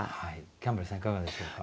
キャンベルさんいかがでしょうか？